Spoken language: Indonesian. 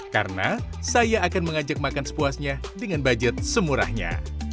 karena saya akan mengajak makan sepuasnya dengan budget semurahnya